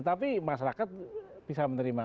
tapi masyarakat bisa menerima